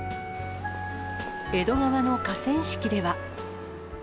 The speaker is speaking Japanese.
江戸川の河川敷では。